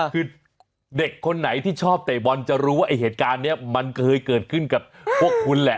คือเด็กคนไหนที่ชอบเตะบอลจะรู้ว่าไอ้เหตุการณ์นี้มันเคยเกิดขึ้นกับพวกคุณแหละ